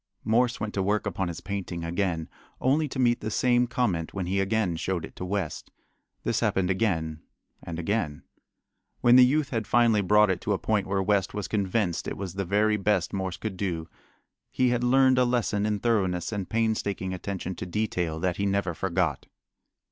Morse went to work upon his painting again, only to meet the same comment when he again showed it to West. This happened again and again. When the youth had finally brought it to a point where West was convinced it was the very best Morse could do he had learned a lesson in thoroughness and painstaking attention to detail that he never forgot.